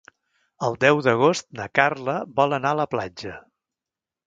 El deu d'agost na Carla vol anar a la platja.